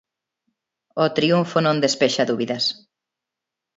O triunfo non despexa dúbidas.